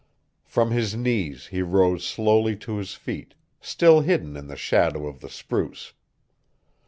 From his knees he rose slowly to his feet, still hidden in the shadow of the spruce.